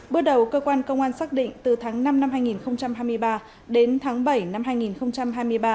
bước đầu cơ quan công an xác định từ tháng năm năm hai nghìn hai mươi ba đến tháng bảy năm hai nghìn hai mươi ba